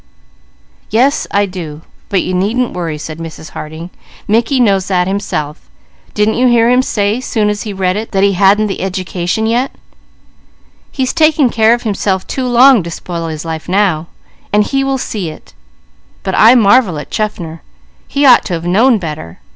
"Yes, I do, but you needn't worry," said Mrs. Harding. "Mickey knows that himself. Didn't you hear him say soon as he read it, that he hadn't the education yet? He's taken care of himself too long to spoil his life now, and he will see it; but I marvel at Chaffner. He ought to have known better.